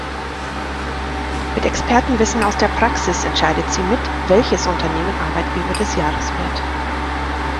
Mit Expertenwissen aus der Praxis entscheidet sie mit, welches Unternehmen „Arbeitgeber des Jahres“ wird.